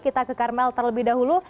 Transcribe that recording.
kita ke karmel terlebih dahulu